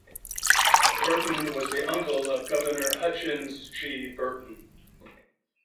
Burton was the uncle of Governor Hutchins G. Burton.